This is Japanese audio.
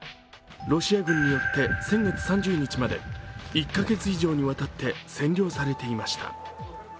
ロシア軍によって先月３０日まで１カ月以上にわたって占領されていました。